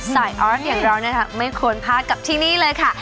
ออสอย่างเรานะคะไม่ควรพลาดกับที่นี่เลยค่ะ